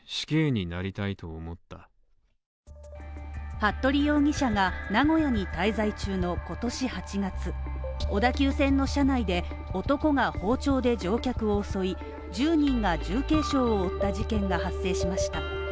服部容疑者が名古屋に滞在中の今年８月小田急線の車内で男が包丁で乗客を襲い１０人が重軽傷を負った事件が発生しました。